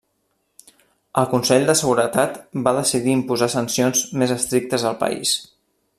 El Consell de Seguretat va decidir imposar sancions més estrictes al país.